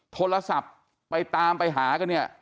โทรศัพท์ไปตามไปหากันเนี่ย